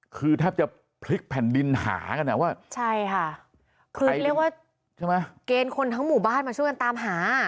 คือแทบจะพลิกแผ่นดินหากันอ่ะว่าใช่ค่ะคือเรียกว่าใช่ไหมเกณฑ์คนทั้งหมู่บ้านมาช่วยกันตามหา